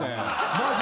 マジ。